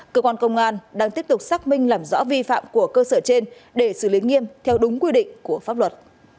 cơ quan công an đang tiếp tục xác minh làm rõ vi phạm của cơ sở trên để xử lý nghiêm theo đúng quy định của pháp luật